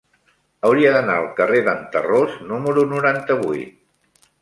Hauria d'anar al carrer d'en Tarròs número noranta-vuit.